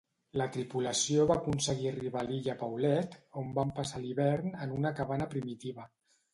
La tripulació va aconseguir arribar a l'illa Paulet, on van passar l'hivern en una cabana primitiva.